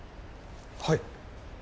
はい。